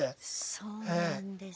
そうなんですよ。